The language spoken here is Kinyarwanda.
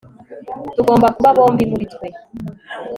tugomba kuba bombi muri twe